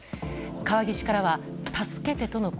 川岸からは助けてとの声。